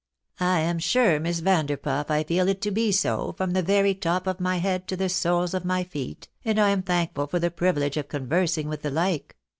" I am sure. Miss Vanderpuff, I feel it to be so, from the very top of my head to the soles of my feet, and I am iJhankful for the privilege of conversing with the like.